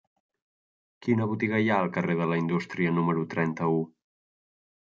Quina botiga hi ha al carrer de la Indústria número trenta-u?